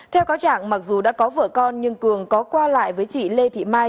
theo cáo trạng mặc dù đã có vợ con nhưng cường có qua lại với chị lê thị mai